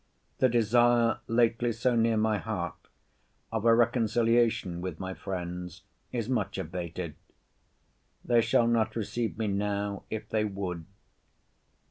The desire lately so near my heart, of a reconciliation with my friends, is much abated. They shall not receive me now, if they would.